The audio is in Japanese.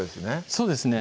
そうですね